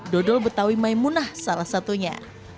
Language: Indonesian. dodol betawi maimunah salah satunya